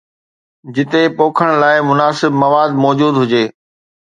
جتي پوکڻ لاءِ مناسب مواد موجود هجي.